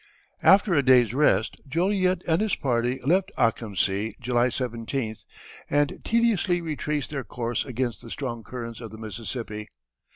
After a day's rest, Joliet and his party left Akamsea July 17th, and tediously retraced their course against the strong currents of the Mississippi.